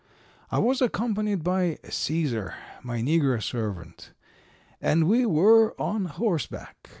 I was accompanied by Cæsar, my negro servant, and we were on horseback.